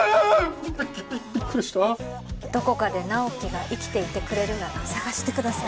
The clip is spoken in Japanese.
びびっくりしたどこかで直木が生きていてくれるなら捜してください